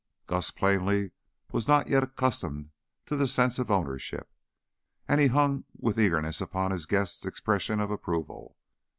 Gus, plainly, was not yet accustomed to the sense of ownership, and he hung with eagerness upon his guest's expressions of approval.